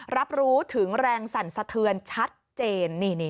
รับรู้ถึงแรงสั่นสะเทือนชัดเจน